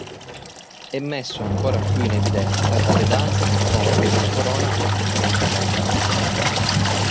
È messo ancora più in evidenza dalle danze che compie con la corona completamente allargata.